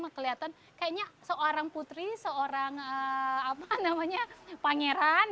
saya melihat seorang putri seorang pangeran